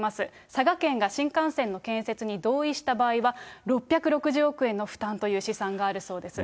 佐賀県が新幹線の建設に同意した場合は、６６０億円の負担という試算があるそうです。